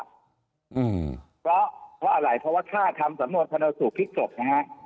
อืมเพราะเพราะอะไรเพราะว่าถ้าทำสำนวนชนสูตรพลิกศพนะฮะ